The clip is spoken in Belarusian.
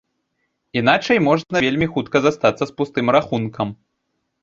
Іначай можна вельмі хутка застацца з пустым рахункам.